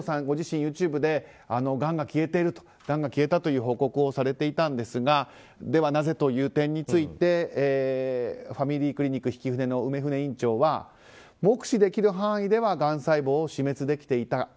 ご自身がＹｏｕＴｕｂｅでがんが消えたという報告をされていたんですがでは、なぜという点についてファミリークリニックひきふねの梅舟院長は目視できる範囲ではがん細胞を死滅できていた。